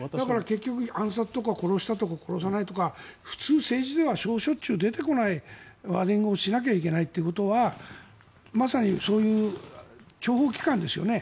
だから結局暗殺だとか殺すとか殺さないとか政治では出てこないことをしなきゃいけないということはまさにそういう諜報機関ですよね。